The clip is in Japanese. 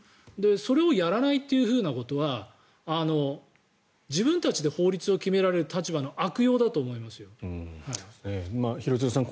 それをやらないというふうなことは自分たちで法律を決められる立場の廣津留さん